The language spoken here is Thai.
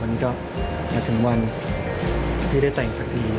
มันก็มาถึงวันที่ได้แต่งสักที